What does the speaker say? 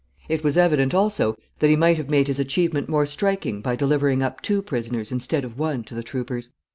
It was evident also that he might have made his achievement more striking by delivering up two prisoners instead of one to the troopers.